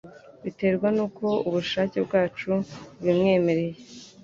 biterwa nuko ubushake bwacu bubimwemereye,